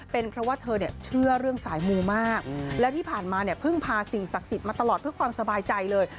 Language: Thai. เป็นเพราะว่าเธอเนี่ยเชื่อเรื่องสายมูมากแล้วที่ผ่านมาเนี่ยเพิ่งพาสิ่งศักดิ์สิทธิ์มาตลอดเพื่อความสบายใจเลย